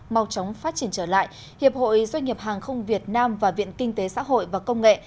mau chóng phát triển trở lại hiệp hội doanh nghiệp hàng không việt nam và viện kinh tế xã hội và công nghệ